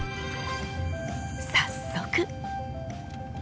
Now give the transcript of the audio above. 早速。